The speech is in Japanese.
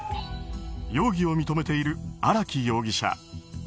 容疑を認めている荒木容疑者。